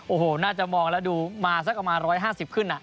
โอ้โหน่าจะมองแล้วดูมาสักประมาณ๑๕๐ขึ้น